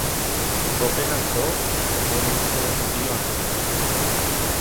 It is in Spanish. Cope lanzó un último desafío antes de morir.